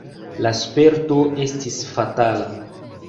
La sperto estis fatala.